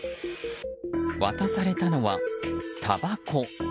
渡されたのは、たばこ。